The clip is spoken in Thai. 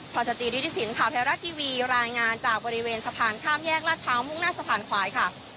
สจิริสินข่าวไทยรัฐทีวีรายงานจากบริเวณสะพานข้ามแยกลาดพร้าวมุ่งหน้าสะพานควายค่ะ